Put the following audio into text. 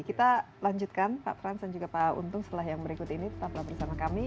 kita lanjutkan pak frans dan juga pak untung setelah yang berikut ini tetaplah bersama kami